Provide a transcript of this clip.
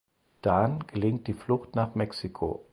Dan gelingt die Flucht nach Mexiko.